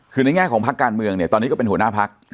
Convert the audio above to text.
คือในแง่ของพักการเมืองเนี่ยตอนนี้ก็เป็นหัวหน้าพัก